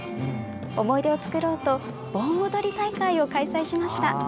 思い出を作ろうと盆踊り大会を開催しました。